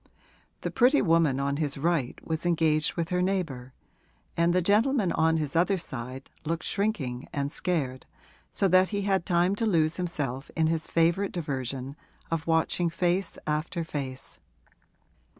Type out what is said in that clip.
The pretty woman on his right was engaged with her neighbour and the gentleman on his other side looked shrinking and scared, so that he had time to lose himself in his favourite diversion of watching face after face.